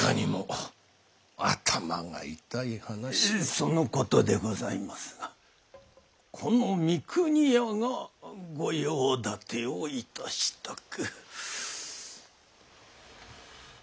そのことでございますがこの三国屋がご用立てをいたしたく。